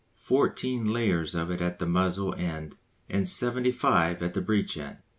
fourteen layers of it at the muzzle end and seventy five at the breech end.